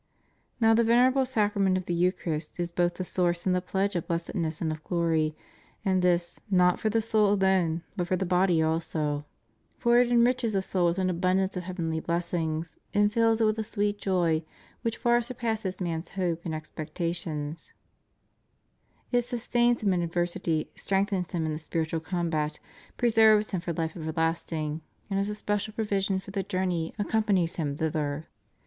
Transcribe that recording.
Now the venerable Sacra ment of the Eucharist is both the source and the pledge of blessedness and of glory, and this, not for the soul alone, but for the body also. For it enriches the soul * De diversis qusestionibus, IxxxiiL q. 36. *Lib. iv., c. ii., in Joan, vi. 57. ' Zach. ix. 17. 526 THE MOST HOLY EUCHARIST. with an abundance of heavenly blessings, and fills it with a sweet joy which far surpasses man's hope and expecta tions; it sustains him in adversity, strengthens him in the spiritual combat, preserves him for life everlasting, and as a special provision for the journey accompanies him thither.